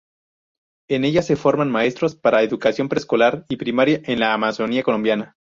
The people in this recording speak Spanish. En ella se forman maestros para educación preescolar y primaria en la amazonia colombiana.